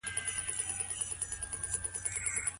ما او تا د مقابل لوري کلک ملاتړي يو.